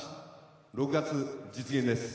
６月、実現です。